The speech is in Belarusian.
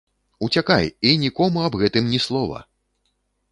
Уцякай і нікому аб гэтым ні слова!